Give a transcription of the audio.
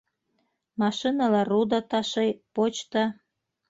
Машиналар руда ташый, почта...